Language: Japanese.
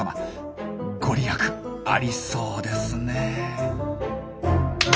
御利益ありそうですね。